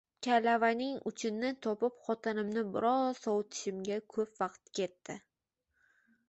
Kalavaning uchini topib, xotinimni biroz sovutishimga ko'p vaqt ketdi